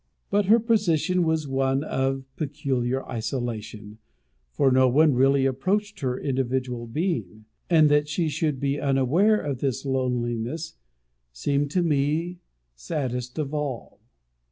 But her position was one of peculiar isolation, for no one really approached her individual being; and that she should be unaware of this loneliness, seemed to me saddest of all.